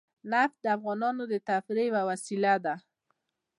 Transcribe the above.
نفت د افغانانو د تفریح یوه وسیله ده.